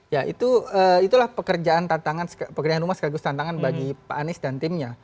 ya itulah pekerjaan tantangan pekerjaan rumah sekaligus tantangan bagi pak anies dan timnya